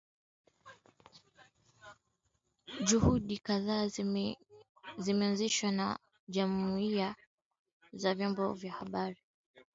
Juhudi kadhaa zimeanzishwa na jumuiya za vyombo vya habari nchini Thailand